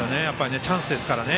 チャンスですからね。